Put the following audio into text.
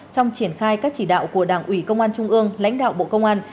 trong triển khai các chỉ đạo của đảng ủy công an trung ương lãnh đạo bộ công an